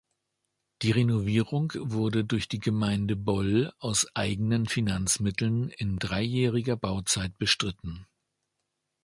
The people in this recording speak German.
Die Renovierung wurde durch die Gemeinde Boll aus eigenen Finanzmitteln in dreijähriger Bauzeit bestritten.